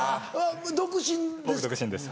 僕独身です。